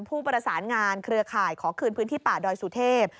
ผู้ประสานงานเครือข่ายขอคืนพื้นที่ป่าดอยสุเทพ